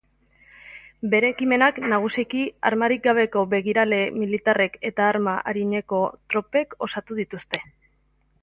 Bere ekimenak, nagusiki, armarik gabeko begirale militarrek eta arma arineko tropek osatu dituzte.